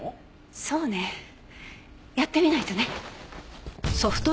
そうねやってみないとね。